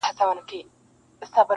زه چي پر مخ زلفي لرم بل به یارکړمه--!